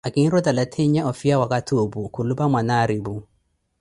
Akiirutela theenya ofiya wakathi opu khulupa Mwanaripu.